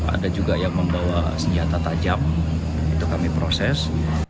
ada juga yang membawa senjata tajam itu kami proses